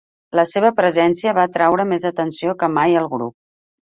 La seva presència va atreure més atenció que mai al grup.